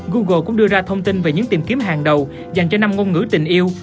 google cũng đưa ra thông tin về những tìm kiếm hàng đầu dành cho năm ngôn ngữ tình yêu